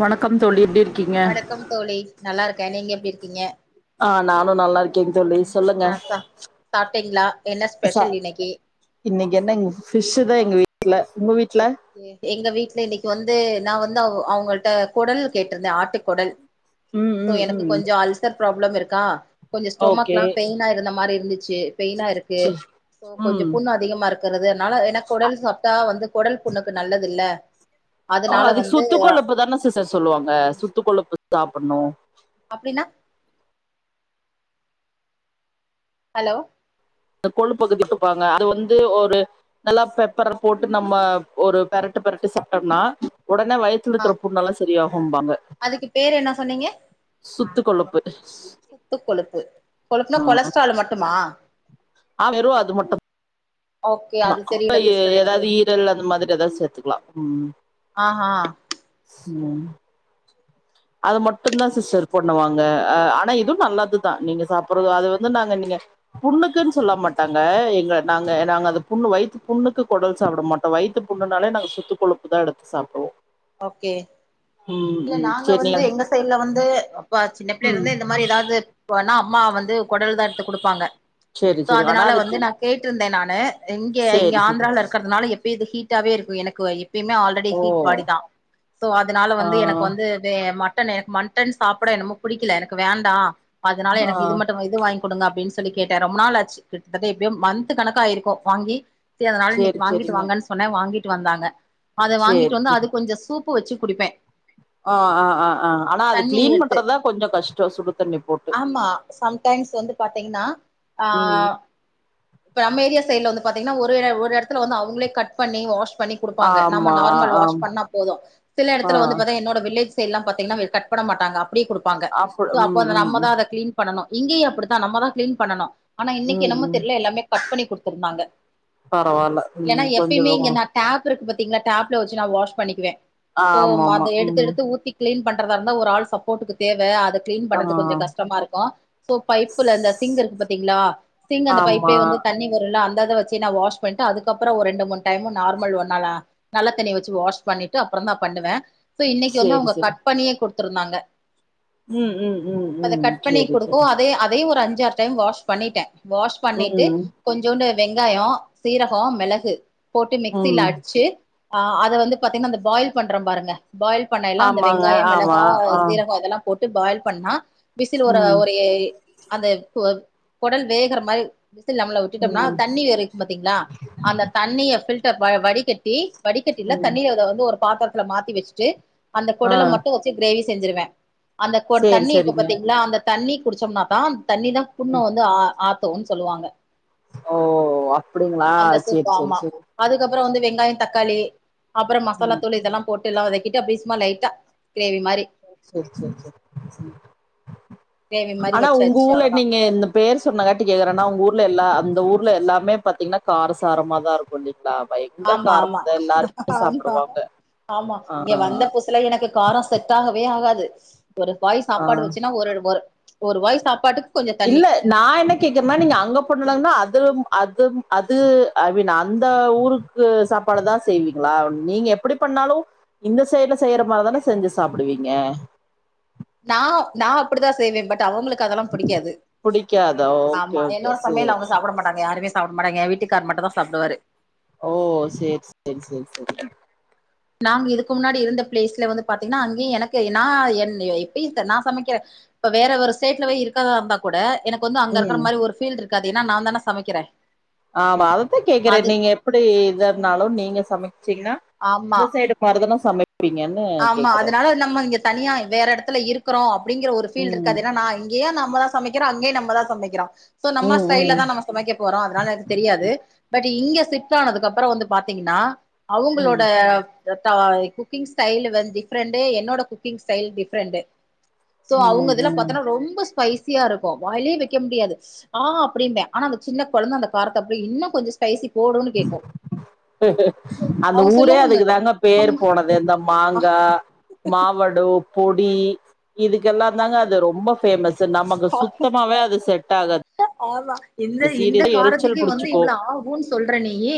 வணக்கம் தோழி எப்டி இருக்கீங்க வணக்கம் தோழி நல்லா இருக்கே நீங்க எப்டி இருக்கீங்க ஆ நானு நல்லா இருக்கே தோழி சொல்லுங்க சாப்டிங்ளா என்ன சா ஸ்பெஷல் இன்னைக்கு இன்னைக்கு என்னங் ஃபிஷ் தா எங்க வீட்ல உங்க வீட்ல எங்க வீட்ல இன்னைக்கு வந்து நா வந்து அவ அவுங்கள்ட்ட கொடல் கேட்ருந்தே ஆட்டு கொடல் ம் சோ ம் எனக்கு ம் கொஞ்ச அல்சர் ப்ராப்ளம் இருக்கா கொஞ்ச ஓகே ஸ்டோமக்லா பெயினா இருந்த மாரி இருந்துச்சி பெயினா இருக்கு சி சோ கொஞ்ச ம் புண்ணா அதிகமா இருக்கிறதுனால ஏனா கொடல் சாப்ட்டா வந்து கொடல் புண்ணுக்கு நல்லதில்ல ஓ அதுக்கு சுத்து கொழுப்பு தான சிசர் சொல்வாங்க சுத்து கொழுப்பு சாப்புட்னு அப்டின்னா ஹலோ அந்த கொழு பக்கு திட்டுப்பாங்க அது வந்து ஒரு நல்லா பெப்பர போட்டு நம்ம ஒரு பெரட்டு பெரட்டு சாப்டம்னா ஒடனே வயத் ஆ துலக்கற புண்ணால்லா சரியாகும்பாங்க அதுக்கு பேரு என்னா சொன்னீங்க சுத்து கொழுப்பு சுத்து கொழுப்பு கொழுப்புனா ஆ கொலஸ்ட்ரால் மட்டுமா ஆ வெறு அது மட்டு ஓகே அது தா தெரியல எ சிஸ்டர் எனக்கு ஏதாவது ஈரல் அந்த மாதிரி ஏதாவது சேத்துக்லா ம் ஆ ஹா [unintelligible] அது மட்டு தா சிஸ்டர் பண்ணுவாங்க அ ஆனா இது நல்லதுதா நீங்க சாப்புறது அது வந்து நாங்க நீங்க புண்ணுக்குன் சொல்ல மாட்டாங்க எங்க நாங்க நாங்க அத புண்ணு வைத்து புண்ணுக்கு கொடல் சாப்ட மாட் ட வய்த்து புண்ணுனாலே நாங்க சுத்து கொழுப்பு தா எடுத்து சாப்டுவோ ஓகே ம் இல்ல ம் நாங்க சேரி வந்து நீங்க எங்க சைட்ல வந்து ப்ப சின்ன பிள்ளைய ம் இருந்து இந்த மாரி ஏதாவது போனா அம்மா வந்து கொடல் தா எடுத்து குடுப்பாங்க சேரி சோ சேரி ஆனா அதனால வந்து அதுக்கு நான் கேட்ருந்த நானு இங்கே இங்க சேரி சேரி ஆந்த்ரால இருக் கறதுனால எப்பி இது ஹீட்டாவே இருக்கு எனக்கு எப்பியுமே ஆல்ரெடி ஓ ஹீட் பாடி தா சோ அதனால ஆ வந்து எனக்கு வந்து வே மட்டன் எனக்கு மட்டன் சாப்ட என்னமோ புடிக்கல எனக்கு வேண்டா அதனால ஆ எனக்கு இது மட்டு இது வாய்ங் குடுங்க அப்டின் சொல்லி கேட்ட ரொம்ப நாள் ஆச்சி கிட்டதட்ட எப்டியு மந்த் கணக்காயிருக்கு வாங்கி செரி அதனால இன்னைக்கு சேரி வாங்கிட்டு சேரிங்க வாங்கன் சொன்னே வாங்கிட்டு வந்தாங்க அது சேரி வாங்கிட்டு வந்து சேரி அது கொஞ்ச சூப்பு வச்சு குடிப்பே ஆ ஆ ஆ ஆ ஆனா அது தண்ணி க்ளீன் எடுத்து பண்றதுதா கொஞ்ச கஷ்ட சுடு தண்ணி போட்டு ஆமா சம்டைம்ஸ் வந்து பாத்திங்னா ஆ ம் இப்ப நம்ம ஏரியா சைட்ல வந்து பாத்திங்னா ஒரு ஒரு எடத்துல வந்து அவுங்களே கட் பண்ணி வாஷ் பண்ணி குடுப்பாங்க நம்ம ஆமா நார்மல் வாஷ் ஆம் பண்ணா போதும் சில ஆ எடத்துல வந்து பாத்தி என்னோட வில்லேஜ் சைட்லா பாத்திங்னா கட் பண்ண மாட்டாங்க அப்டியே குடுப் பாங்க அப்றோ சோ ம் அப்ப ம் ம் நம்மதா அத க்ளீன் பண்ணணு இங்கயு அப்டித்தா நம்மதா க்ளீன் பண்ணனு ஆனா இன்னைக்கு ம் என்னமோ ம் தெர்ல எல்லாமே கட் பண்ணி குடுத்துருந்தாங்க பரவால்ல ம் ஏன்னா கொஞ்சோ எப்பையுமே இங்க போகணு டேப் இருக்கு பாத்திங்களா டேப்ல வச்சு நா வாஷ் பண்ணிக்குவே இப்போ ஆமா ஆமா அத எடுத்து ம் எடுத்து ஊத்தி க்ளீன் பண்றதா இருந்தா ஒரு ஆள் சப்போர்ட்டுக்கு தேவ அத க்ளீன் ஆ பண்றதுக்கு கொஞ்ச கஷ்டமா இருக்கு சோ பைப்புல அந்த சி்ங் இருக்கு பாத்திங்ளா சிங் அந்த ஆமா பைப்பே வந்து தண்ணி வரும்ல அந்தத வச்சு நா வாஷ் பண்ணிட்டு அதுக்கப்றோ ஒரு ரெண்டு மூணு டைமு நார்மல் ஒன்னால நல்ல தண்ணி வச்சு வாஷ் பண்ணிட்டு அப்றந்தா பண்ணுவே சோ இன்னைக்கு வந்து சேரி அவங்க சேரி கட் பண்ணியே கொடுத்துருந்தாங்க ம் ம் ம் அத ம் கட் பண்ணி சேரி கொடுக்கவு சேரி அதே அதயு ஒரு அஞ்சாறு டைம் வாஷ் பண்ணிட்டே வாஷ் பண்ணிட்டு ம் கொஞ்சோண்டு வெங்காயோ சீரக மெளகு போட்டு மிக்சில ம் அடிச்சு ஆ அத வந்து பாத்திங்கன்னா அந்த பாயில் பண்றோ பாருங்க பாயில் பண்ணைல அந்த ஆமாங்க வெங்காய ஆமா மெளகா ஆ சீரகோ இதெல்லா போட்டு பாயில் பண்ணா விசில் ஒரு ம் ஒரு எ அந்த கு கொடல் வேகற மாரி விசில் நம்மள விட்டுட்டம்னா ம் தண்ணி வரு பாத்திங்ளா அந்த தண்ணிய ஃபில்டர் வடிகட்டி வடிக்கட்டில ம் தண்ணிய அத வந்து ஒரு பாத்துரத்துல மாத்தி வெச்சுட்டு அந்த ஆ கொடல மட்டு க்ரேவி செஞ்சிருவே அந்த சேரி தண்ணி இருக்கு சேரிங்க பாத்திங்ளா அந்த தண்ணி குடிச்சம்னாதா தண்ணிதா புண்ண வந்து அ ஆத்தவும்னு சொல்லுவாங்க ஓ அப்டிங்ளா சேரி சேரி சேரி அதுக்கப்புற வந்து வெங்காய தக்காளி அப்ற மசாலாத்தூள் இதெல்லா போட்டு எல்லா வதக்கிட்டு அப்டியே சும்மா லைட்டா க்ரேவி மாரி செர் செர் செர் செர் கிரேவி மாரி ஆனா உங்க வச்சாச்சு ஊர்ல அவ்ளோதா நீங்க இந்த பேர் சொன்னங்காட்டி கேக்குறேன்னா உங்க ஊர்ல எல்லா அந்த ஊர்ல எல்லாமே பாத்திங்னா கார சாரமாதா இருக்கு இல்லிங்களா பைக் இந்த ஆமா ஆமா காரத்ததா எல்லாருமே ஆமா சாப்புடுவாங்க ஆ ல எனக்கு காரோ செட் ஆகவே ஆகாது ஒரு வாய் ஆ சாப்பாடு வச்சுன்னா ஒரு ஒரு ஒரு வாய் சாப்பாட்டுக் இல்ல நான் என்ன கேக்குறனா நீங்க அங்க [unintelligible] அதுல அதும் அது ஐ மீன் அந்த ஊருக் து சாப்பாடுதா செய்விங்ளா நீங்க எப்படி பண்ணாலு இந்த சைட்ல செய்யற மாரிதானே செஞ்சு சாப்பிடுவீங்க நா நா அப்டிதா செய்வே பட் அவுங்களுக்கு அதெல்லா பிடிக்காது புடிக்காதா ஓகே ஆமா ஓகே என்னோட சமையல் சேரி அவங்க சேரி சாப்பிட மாட்ட ங்க யாருமே சாப்ட மாட்டாங்க எ வீட்டுக்கார் மட்டும்தா சாப்புடுவாரு ஓ சேரி சேரி சேரி சேரி நாங்க இதுக்கு முன்னாடி இருந்த ப்ளேஸ்ல வந்து பாத்திங்னா அங்கயு எனக்கு நா என் இப்பையு நா சமைக்க இப்ப வேற ஒரு ஸ்டேட்லவே இருக்கறதா இருந்தா கூட எனக்கு வந்து அங்க இருக்கற ம் மாதிரி ஒரு ஃபீல் இருக்காது ஏன்னா நாந்தானே சமைக்கிறே ஆமா அதத்தா கேக்குறே அது நீங்க எப்படி இதா இருந்தாலு நீங்க சமைச்சிங்னா ஆமா இந்த சைடு மாருதானே சமை ப்பிங்கன்னு ஆமா அதனால நம்ம இங்க தனியா வேற எடத்துல இருக்குறோ அப்டிங்கிற ஒரு ஃபீல் ம் இருக்காது ஏன்னா நா இங் இங்கயு நம்மதா சமைக்கிறோ அங்கயு நம்மதா சமைக்கிறோ சோ நம்ம ம் ம் ஸ்டைல்லதா நம்ம சமைக்க போறோ அதனால எனக்கு தெரியாது பட் இங்க ஷிப்ட் ஆனதுக்கு அப்ற வந்து பாத்திங்கனா அவுங்களோட ம் ட குக்கிங்ஸ் ஸ்டைல் வந்து டிஃப்ரெண்ட்டு என்னோட குக்கிங் ஸ்டைல் டிஃபரெண்ட்டு சோ அவுங்க ம் இதெல்லா ம் பாத்திங்ணா ரொம்ப ஸ்பைசியா இருக்கு வாயிலே வைக்க முடியாது ஆ அப்டிம்பே ஆனா அந்த சின்ன கொழந்த அந்த காரத்த அப்டியே இன்னு கொஞ்ச கைசி போடு அந்த அவங்க ஊரே சொல்லுவாங்க அதுக்கு தாங்க பேர் போனது இந்த மாங்கா மாவடு பொடி இதுக்கெல்லா தாங்க அது ரொம்ப ஃபேமஸ் நமக்கு சுத்தமாவே அது செட் ஆகாது ட்ட ஆவா இந்த இந்த சீரியஸா எரிச்சல் காரத்துக்கே வந்து புடிச்சுக்கோ இவ்வள ஆ ஊ னு சொல்றே நீயி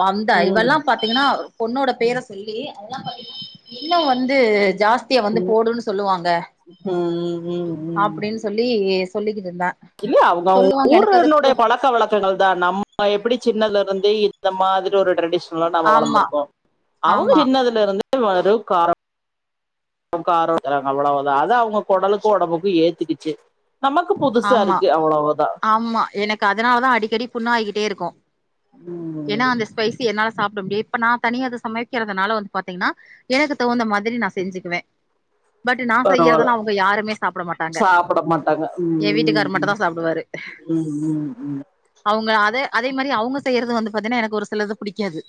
வந்தா ம் இவெல்லா ப இல்லனா பொண்ணோட பேர சொல்லி இன்னு வந்து ஜாஸ் தியா வந்து போடுன்னு சொல்லுவாங்க ம் ம் அப்டின்னு சொல்லி சொல்லிக்கிட்டு இருந்தா இல்லயா அவங்க சொல்லுவாங்க எனக்கு அது ஊருன்னுடைய பழக்க வழக்க ங்கள்தா நம்ம எப்டி சின்னதுல இருந்தே இந்த மாதிரி ஒரு ட்ரெடிஷன் ல நாம ஆமா வளந்துருக்கோ அவங்க ஆமா சின்னதுல இருந்தே வெறு காரம் இப்ப காரோங்குறாங்க அவ்ளோதா அதா அவங்க கொடலுக்கு ஒடம்புக்கு ஏத்துகிச்சு நமக்கு புதுசா ஆமா இருக்கு அவ்வளவுதா ஆமா எனக் கு அதனாலதா அடிக்கடி புண்ணா ஆயிகிட்டே இருக்கு ஏன்னா அந்த ஸ்பைசி என்னால சாப்ட முடியாது இப்ப நா தனியா அத சமைக்கிறதுனால வந்து பாத்தீங்னா எனக்கு தகுந்த மாதிரி நா செஞ்சுக்குவே பட் நா பரவால்ல செய்யறதெல்லா அவங்க யாருமே சாப்ட மாட்டாங்க டாங்க எ வீட்டுக்காரு மட்டுந்தா சாப்டுவாரு ம் ம் அவங்க அத அதே மாரி அவங்க செய்யறது வந்து பாத்தீங்னா எனக்கு ஒரு சிலது புடிக்காது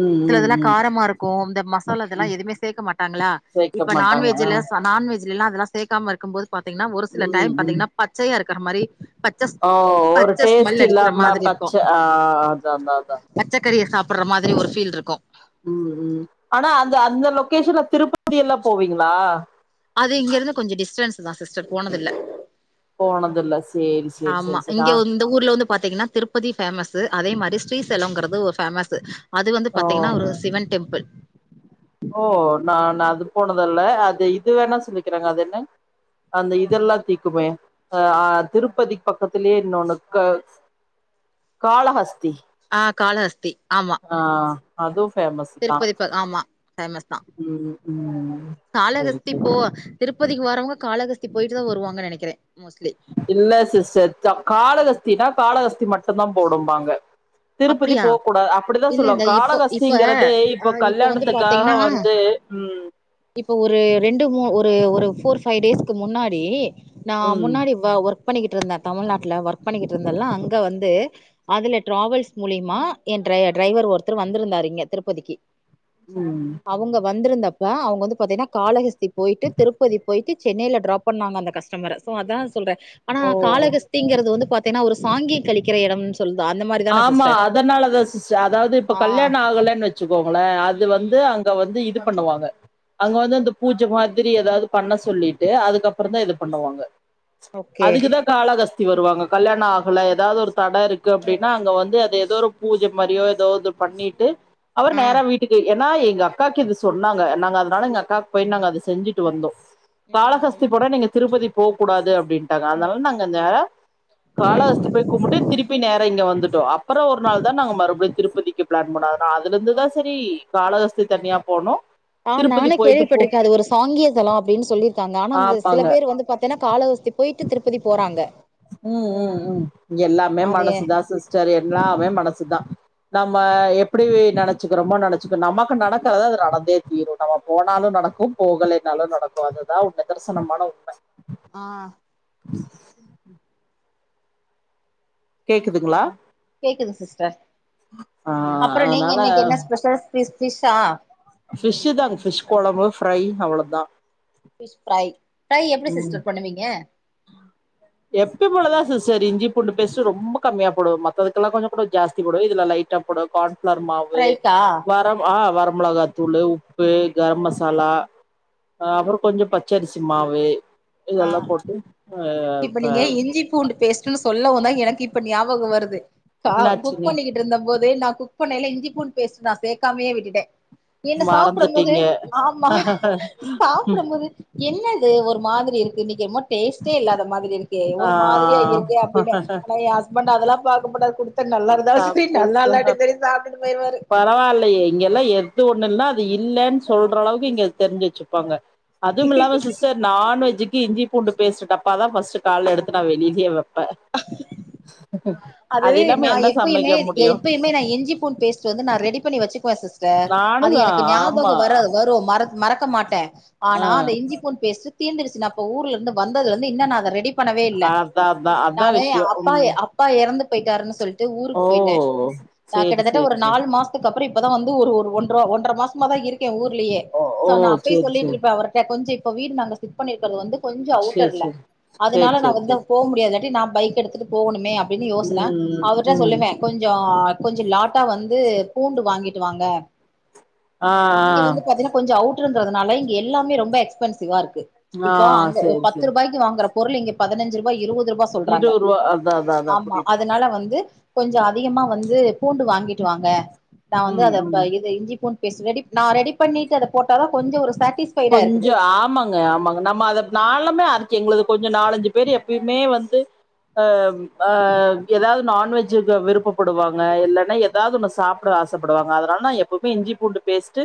ம் ம் சிலதுல்லா ம் காரமா இருக்கு இந்த மசாலா இதெல்லா எதுமே சேக்க மாட்டாங்களா சேக்க இப்ப மாட்டாங்க ஆ நான்வெஜ்ல ச நாான்வெஜ் ஜீலலா அதெல்லா சேக்காம இருக்கும்போது பாத்தீங்னா ஒரு சில ம் டைம் ம் பாத்தீங்னா பச்சையா இருக்கற மாரி பச்ச ஓ ஒரு பச்ச டேஸ்ட் ஸ்மெல் அடிக்கிற இல்லாம மாதிரி பச்ச இருக்கு ஆ அதா அதா அதா பச்சக்கறிய சாப்புட்ற மாதிரி ஒரு ஃபீல் இருக்கு ம் ம் ஆனா அந்த அந்த லொகேஷன்ல திருப்பதி எல்லா போவீங்களா அது இங்க இருந்து கொஞ்சோ டிஸ்டன்ஸ்தா சிஸ்டர் போனது இல்ல போனதுல்ல சேரி சேரி சேரி சேரி ஆ அந்த ஊர்ல வந்து பாத்தீங்னா திருப்பதி ஃபேமஸ் அதே மாரி ஸ்ரீசைலம்ங்றது ஒரு ஃபேமஸ் அது வந்து ஓ பாத்தீங்னா ஒரு சிவன் டெம்பிள் ஓ நா நா அது போனதில்ல அது இது வேணா சொல்லிக்கிறாங்க அது என்ன அந்த இதெல்லா தீக்குமே த ஆ திருப்பதிக் பக்கத்திலேயே இன்னொன்னு க காலஹஸ்தி ஆ காலஹஸ்தி ஆமா அதுவு ஃபேமஸ் தா திருப்பதி ப ஆமா ஃபேமஸ் தா ம் ம் சேரி காலஹஸ்தி சேரி போ திருப்பதிக்கு வரவுங்க காலஹஸ்திக்கு போயிட்டு தா வருவாங்க நெனைக்கிறே மோஸ்ட்லி இல்ல சிஸ்டர் தா காலஹஸ்தினா கால ஹஸ்தி மட்டுதா போனும்பாங்க திருப்பதி அப்படியா போ கூடாது அப்டிதா இல்ல சொல்லுவாங்க இந்த இப்போ இப்ப காலஹஸ்திங்றது இப்போ ஆ இப்ப வந்து கல்யாணத்துக்காக வந்து ம் இப்போ ஒரு ரெண்டு மூ ஒரு ஒரு ஃபோர் ஃபைவ் டேஸ்க்கு முன்னாடி நா ம் முன்னாடி வ ஒர்க் பண்ணிக்கிட்டு இருந்த தமிழ்நாட்ல ஒர்க் பண்ணிக்கிட்டு இருந்தல்லா அங்க வந்து அதுல டிராவல்ஸ் மூலிமா எ டிரை டிரைவர் ஒருத்தர் வந்திருந்தாரு இங்க திருப்பதிக்கு ம் அவங்க வந் வந்திருந்தப்ப அவங்க வந்து பாத்தீங்கனா காலஹஸ்தி போயிட்டு திருப்பதி போயிட்டு சென்னைல டிராப் பண்ணாங்க அந்த கஸ்டமர க்கு அதா சொல்றே ஆனா ஓ காலஹஸ்திங்றது வந்து பாத்தீங்னா ஒரு சாங்கியம் கழிக்கிற எடம் சொல்லுதா அந்த மாரி தான சிஸ் ஆ அதனாலதா சிஸ்டர் அதாவது இப்ப கல்யாண ஆகலன்னு வச்சுக்கோங்கள அது ம் வந்து அங் க வந்து இது பண்ணுவாங்க அங்க வந்து அந்த பூஜை மாதிரி ஏதாவது பண்ண சொல்லிட்டு அதுக்கப்பறந்தா ம் இது பண்ணுவாங்க ஓகே அதுக்குதா காலஹஸ்தி வருவாங்க கல்யாண ஆகல ஏதாவது ஒரு தட இருக்கு அப்டின்னா அங்க வந்து அது ஏதோ ஒரு பூஜை மாரியோ ஏதோ அது பண்ணிட்டு அவர் ஆ நேர வீட்டுக்கே ஏன்னா எங்க அக்காக்கு இது சொன்னாங்க நாங்க அதனால எங்க அக்காக்கு போய் நாங்க அது செஞ்சுட்டு வந்தோ காலஹஸ் தி ம் போனா நீங்க திருப்பதி போ கூடாது அப்டின்ட்டாங்க அதனால நாங்கிந்த ம் ம் காலகஸ்தி போய் கும்புட்டு திருப்பி நே ரா வந்துட்டோ அப்பறோ ஒரு நாள் தா நாங்க மறுபட் திருப்பதிக்கு ப்ளான் பண்ண நா அதுலந்துதா செரி காலகஸ்தி தனியா போனு அ நானு கேள்விப்பட்ருக்கே அது ஒரு சாங்கிய தலோ அப்டின்னு சொல்லிருக்காங்க ஆனா அந்த ஆமாங்க சில பேரு வந்து பாத்தனா காலகஸ்தி போய்ட்டு திருப்பதி போறாங்க ம் ம் ம் எல்லாமே அது ஏ மனசுதா சிஸ்டர் எல்லாமே மனசுதா நம்ம எப்டி நெனச்சுக்கிறமோ நெனைச்சுக்க நமக்கு நடக்குறது அது நடந்தே தீரு நம்ம போனாலு நடக்கு போகலைனாலு நடக்கு அதுதா நிதர்சனமான உண்ம ஆ [inaudible] கேக்குதுங்ளா? கேக்குது சிஸ்டர் ஆ அப்புற நீங்க அதனால இன்னைக்கு என்ன ஸ்பெஷல் ஃபிஷ் ஃபிஷ்ஷா ஃபிஷ்ஷு தாங் ஃபிஷ் கொழம்பு ஃப்ரை அவ்வளதா ஃபிஷ் ஃப்ரை ஃப்ரை எப்டி ம் சிஸ்டர் பண்ணுவீங்க? எப்பியு போலதா சிஸ்டர் இஞ்சி பூண்டு பேஸ்ட்டு ரொம்போ கம்மியா போடுவே மத்ததுக்கெல்லா கொஞ்சோ கூட ஜாஸ்தி போடுவே இதுல லைட்டா போடு கான்ஃப்ளாரு மாவு ஃப்ரைக்கா வர ஆ வரமிளகா தூளு, உப்பு, கரம் மசாலா அ அப்புறோ கொஞ்சு பச்சரிசி மாவு ஆ இதெல்லா போட்டு ஆ இப்ப ப நீங்க இஞ்சி பூண்டு பேஸ் ட்டுனு சொல்லவு தா எனக்கு இப்ப ஞாபக வருது த அ குக் என்னாச்சுங்க பண்ணிக்கிட்டுருந்த போதே நா குக் க் பண்ணையில இஞ்சி பூண் பேஸ்டு நா சேக்காமையே விட்டுடே என்ன சாப்படம் போது மறந்துட்டீங்க ஆமா சாப்புடும் போது என்னது ஒரு மாதிரி இருக்கு இன்னைக் என்மோ டேஸ்ட்டே இல்லாத மாதிரி இரு க்கே ஆ ஒரு மாதிரியா இருக்கே அப்டின்னு ஆனா எ ஹஸ்பண்ட் அதெல்லா பாக்க மாட்டாரு குடு த்தா நல்லா இருந்தாலு செரி நல்லால்லாட்டி செரி சாப்டுட்டு போய்ருவாரு பரவாயில்லயே இங்கெல்லா எது ஒண்ணுனா அது இல்லன் சொல்றளவுக்கு இங்க தெரிஞ்சு வெச்சுப்பாங்க அதுமில்லாம சிஸ்டர் நான்வெஜ்ஜிக்கி இஞ்சி பூண்டு பேஸ்ட்டு டப்பாதா பஸ்ட்டு கால்ல எடுத்து நா வெளியிலே வெப்ப [inaudible] அது இல்லாம நா என்ன எப்பயுமே சமைக்க எ முடியு எப்பயுமே நா இஞ்சி பூண் பேஸ்ட்டு வந்து நா ரெடி பண்ணி வெச்சுக்குவே சிஸ் டர் அது நானுதா எனக்கு ஆமா ஞாபகம் வராது வரும் மறந்து மறக்க மாட்டே ஆ ஆனா அந்த இஞ்சிப்பூண் பேஸ்ட்டு தீர்ந்துடுச்சு நா அப்போ ஊர்ல இருந்து வந்ததுலந்து இன்னு நா அத ரெடி பண்ணவே இல்ல அதா அதா அதா நானு எ விஷயோ அப்பா ம் எ அப்பா எறந்து போயிட்டாருன்னு சொல்லிட் டு ஊருக்கு ஓ போயிட்டே நா சேரி கிட்டதட்ட சேரி ஒரு சேரி நாலு மாச த்துக்கப்புற இப்பதா வந்து ஒரு ஒரு ஒன்ற ஒன்ற மாசமா தா இருக்கே ஊர்லெயே ஓ ஓ சோ நா அப்பேய் சேரி சேரி சொல்லிட்டுருப்பே அவர்ட்ட கொஞ்சு இப்போ வீடு நாங்க ஸிப் பண்ணிருக்கறது வந்து கொஞ்சோ சேரி அவுட்டர்ல சேரி சேரி அதனால நா சேரி வந்து சேரி போ முடியாத் இல்லாட்டி நா பைக் எடுத்துட்டு போகணுமே அ ப்டினு யோசனா ம் அவுர்ட்டா ம் சொல்லுவே கொஞ்சோ கொஞ்சு லாட்டா வந்து பூண்டு வாங்கிட்டு வாங்க ஆ இங்க வந்து பாத்தீனா கொஞ்சோ அவுட்ர்ரன்துனால இங்க எல்லாமே ரொம்ப எக்ஸ்பென்சிவா இருக்கு ஆ ஆ இப்ப அங்க ஒ சேரி சேரி பத்தருபாய்க்கு வாங்குற பொருள் இங்க பதினஞ்சு ருபா இருவது ருபா இருவருவா அ ஆமா அதுனால வந்து கொஞ்சு அதிகமா வந்து பூண்டு வாங்கிட்டு வாங்க நா வந்து ம் அத ப்ப ம் இது இஞ்சி பூண் பேஸ்ட் ரெடி ப நா ரெடி பண்ணிட்டு அத போட்டா தா கொஞ்சோ ஒரு சாட்டீஸ் கொஞ்சோ ஆமா ங்க ஆமாங்க நம்ம அத நாளுமே அரிச்ச எங்களுக்கு கொஞ்சோ நாலஞ்சு பேரு எப்பயுமே வந்து அ அ எதாவ் நான்வெஜ்ஜு ப விருப்பப்படுவாங்க இல்லன்னா எ தாவ்தொன்னு சாப்பிட ஆசப்படுவாங்க அதனால் நா எப்பவுமே இஞ்சி பூண்டு பேஸ்ட்டு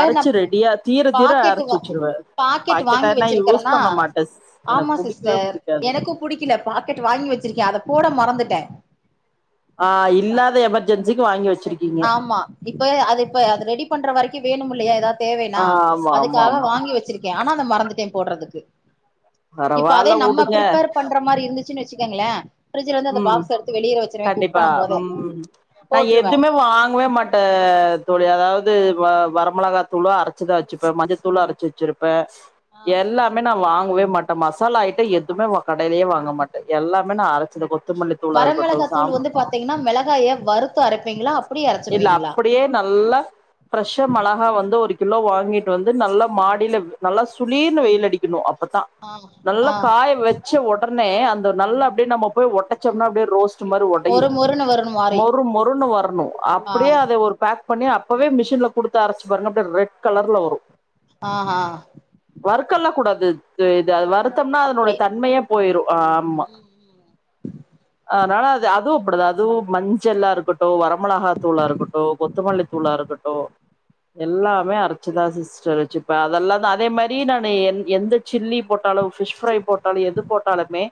அரச்சு ரெடியா தீரத் தீர பாக்கெட் அரச்சு வா வெச்சிருவே பாக்கெட் வாங்கி பாக்கெட்டன்னா யூஸ் வச்சிருக்கறனா பண்ண மாட்ட ஆமா எனக் புடிக்வே சிஸ்டர் புடிக்காது எனக்கு புடிக்கல பாக்கெட் வாங்கி வச்சிருக்கே அத போட மறந்துட்டே ஆ இல்லாத எமர்ஜென்சிக்கு வாங்கி வச்சிருக்கே ஆமா இப்ப அது இப்ப அது ரெடி பண்ற வரைக்கு வேணு இல்லையா ஏதாவத் தேவைனா ஆ ஆமா ஆமா அதுக்காக ஆமா வாங்கி வச்சிருக்கே ஆனா அந்த மறந்துடே போடுறதுக்கு இப்ப அதே பரவால்ல நம்ம வுடுங்க பிப்பேர் பண்ற மாரி இருந்துச்சுன்னு வச்சுக்கோங்களே ம் கண்டிப்பா பண்ணும் போதே ம் நா போட்டுருவே எதுவுமே வாங்கவே மாட்டே தோழி அதாவது வரமிளகா தூளு அரச்சிதா வச்சுப்பே மஞ்சள்த்தூளு அரச்சு வச்சிருப்பே ஆ எல்லாமே நா வாங்கவே மாட்டே மசாலா ஆயிட்ட எதுவுமே கடையிலேயே வாங்க மாட்டே எல்லாமே நா அரச் இந்த கொத்தமல்லி தூளா இருக்கட்டு சாம் தைங்கன்னா மிளகாய வறுத்து அரப்பீங்களா அப் இல்ல அப்டியே நல்லா ஃப்ரெஷ்ஷா மிளகா வந்து ஒரு கிலோ வாங்கிட்டு வந்து நல்லா மாடியில நல்லா சுளீர்னு வெயில் அடிக்கணு அப்பதா ஆ நல்லா ஆ காய வச்சு உடனே அந்த நல்லா அப்டியே நம்ம போய் ஒடச்சோம்னா அப்டியே ரோஸ் டு மாறி உடையு மொறு மொறுன்னு வரணு மாறி மொறு மொறுன்னு வரணு ஆ அப்டியே அத ஒரு பேக் பண்ணி அப்பவே மிஷின்ல குடுத்து அரச்சு பாருங்க அப்டியே ரெட் கலர்ல வரு ஆ ஹ வறுக்கல்லா கூடாது இது வருத்தம்னா அப்டி அதனுடைய தன்மையே போயிரு ஆமா ம் ம் அதனால அது அதுவு அப்டிதா அதுவு மஞ்சளா இருக்கட்டு வரமிளகா தூளா இருக்கட்டு கொத்தமல்லி தூளா இருக்கட்டு எல்லாமே அரைச்சுதா சிஸ்டர் வச்சுப்பே அதெல்லா தா அதே மாரி நானு எந் எந்த சில்லி போட்டாலு ஃபிஷ் ஃப்ரை போட்டாலு எது போட்டாலுமே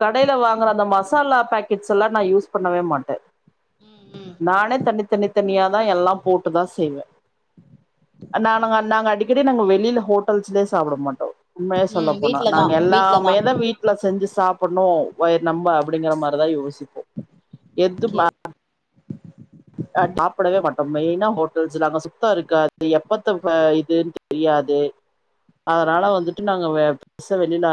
கடையில வாங்கற அந்த மசாலா பேக்கெட்ஸ் எல்லா நா யூஸ் பண்ணவே மாட்டே ம் ம் நானே தனி தனி தனியாதா எல்லா போட்டுதா செய்வே நானுங்க நாங்க அடிக்கடி நாங்க வெளியில ஹோட்டல்ஸ்லே சாப்ட மாட்டோ உண்மைய சொல்ல ம் போனா வீட்லதா நாங்க வீட்லதா எல்லாமேதா வீட் வீட்ல செஞ்சு சாப்டணு வயர் நெம்ப அப்டிங்கற மாரிதா யோசிப்போ எது ஓகே அ சாப்டவே மாட்டோ மெயினா ஹோட்டல்ஸ்ல அங்க சுத்தோ இருக்காது எப்பத்த இதுன்னு தெரியாது அதனால வந்துட்டு நாங்க பெருச வெளில